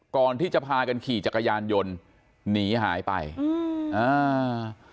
ก่อนที่จะพากันขี่จักรยานยนต์หนีหายไปอืมอ่า